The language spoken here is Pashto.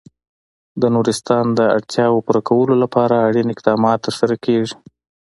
د نورستان د اړتیاوو پوره کولو لپاره اړین اقدامات ترسره کېږي.